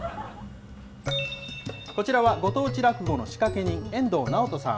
こちらはご当地落語の仕掛人、遠藤直人さん。